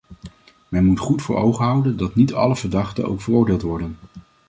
Men moet goed voor ogen houden dat niet alle verdachten ook veroordeeld worden.